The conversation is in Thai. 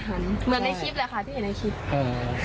เหมือนในคลิปแหละค่ะที่เห็นในคลิปอ่า